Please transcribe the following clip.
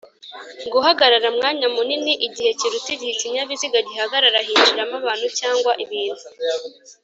Guhagarara umwanya muniniIgihe kiruta igihe ikinyabiziga giharara hinjiramo abantu cg ibintu